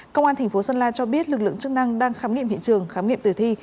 công an thành phố sơn la cho biết lực lượng chức năng đang khám nghiệm hiện trường khám nghiệm tử thi